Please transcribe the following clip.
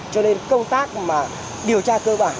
cho nên công tác mà điều tra cơ bản